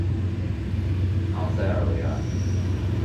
昂塞尔维尔。